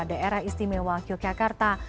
daerah istimewa yogyakarta